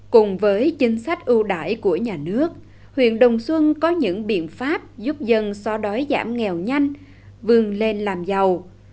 cùng với chính sách ưu đãi của nhà nước huyện đồng xuân có những biện pháp giúp dân so đói giảm nghèo nhanh vươn lên làm giàu